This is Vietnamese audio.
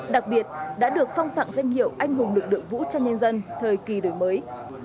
đặc biệt đã được phong tặng danh hiệu anh hùng lực lượng vũ trang nhân dân thời kỳ đổi mới